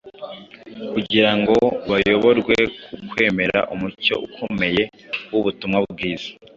kugira ngo bayoborwe ku kwemera umucyo ukomeye w’ubutumwa bwiza.